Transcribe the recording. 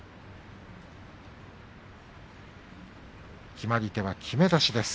決まり手はきめ出しです。